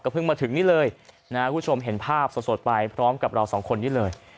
เพิ่งมาถึงนี่เลยนะครับคุณผู้ชมเห็นภาพสดไปพร้อมกับเราสองคนนี้เลย